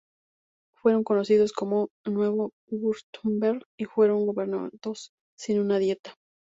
Fueron conocidos como "Nuevo Wurtemberg" y fueron gobernados sin una dieta.